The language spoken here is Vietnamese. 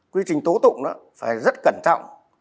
quy trình tố tụng đó phải rất cẩn trọng